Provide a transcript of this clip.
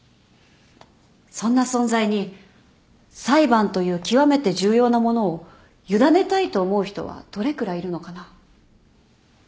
そんな存在に裁判という極めて重要なものを委ねたいと思う人はどれくらいいるのかな？